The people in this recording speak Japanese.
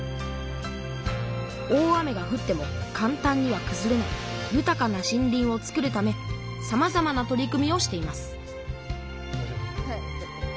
大雨がふってもかん単にはくずれないゆたかな森林をつくるためさまざまな取り組みをしています